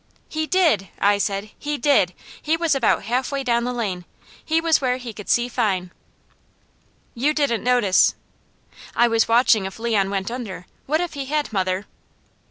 "He did!" I said. "He did! He was about halfway down the lane. He was where he could see fine." "You didn't notice ?" "I was watching if Leon went under. What if he had, mother?"